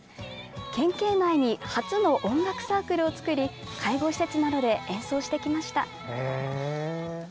県警内に初の音楽サークルを作り介護施設などで演奏してきました。